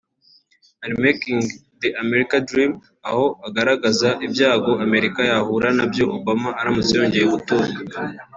Unmaking The American Dream aho agaragaza ibyago Amerika yahura nabyo Obama aramutse yongeye gutorwa